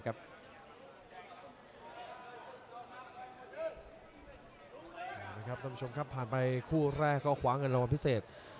ขอบคุณครับครับท่านผู้ชมครับผ่านไปคู่แรกเขาเอาขวาเงินรวมพิเศษ